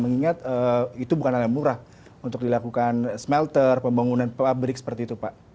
mengingat itu bukan hal yang murah untuk dilakukan smelter pembangunan pabrik seperti itu pak